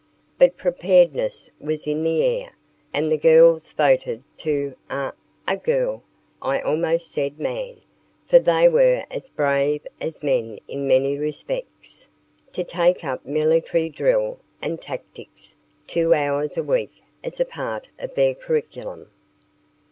But preparedness was in the air, and the girls voted to a a girl (I almost said man, for they were as brave as men in many respects) to take up military drill and tactics two hours a week as a part of their curriculum.